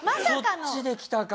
そっちできたか。